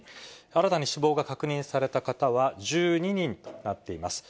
新たに死亡が確認された方は１２人となっています。